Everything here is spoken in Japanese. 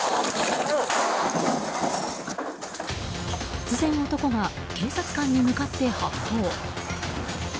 突然男が警察官に向かって発砲。